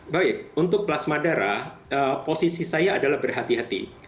baik untuk plasma darah posisi saya adalah berhati hati